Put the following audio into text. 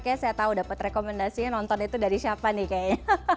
kayaknya saya tahu dapat rekomendasinya nonton itu dari siapa nih kayaknya